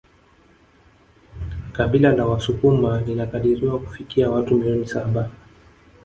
Kabila la wasukuma linakadiriwa kufikia watu milioni saba